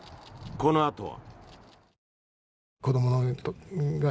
このあとは。